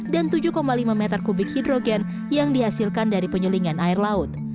dan tujuh lima meter kubik hidrogen yang dihasilkan dari penyelingan air laut